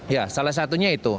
ya salah satunya itu